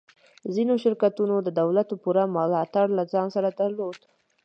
ځینو شرکتونو د دولت پوره ملاتړ له ځان سره درلود